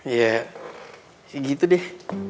ya gitu deh